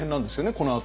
このあと。